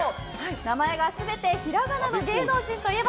名前が全てひらがなの芸能人といえば？